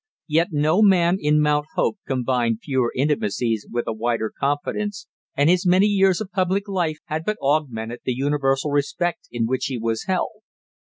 Yet no man in Mount Hope combined fewer intimacies with a wider confidence, and his many years of public life had but augmented the universal respect in which he was held.